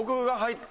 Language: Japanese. って